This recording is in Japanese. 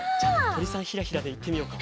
とりさんひらひらでいってみようか。